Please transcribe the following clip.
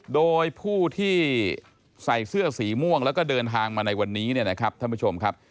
โดยผู้ที่ใส่เสื้อสีม่วงแล้วก็เดินทางมาในวันนี้เนี่ยนะครับท่านผู้ชมครับ